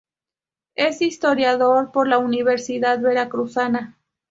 Es historiador por la Universidad Veracruzana.